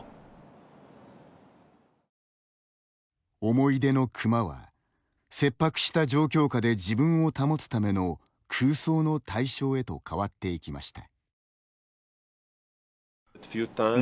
思い出の熊は切迫した状況下で自分を保つための空想の対象へと変わっていきました。